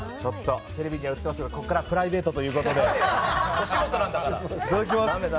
テレビに映っていますが、ここからはプライベートということで、いただきます。